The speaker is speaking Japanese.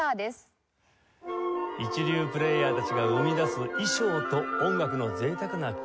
一流プレーヤーたちが生み出す衣装と音楽の贅沢な空間。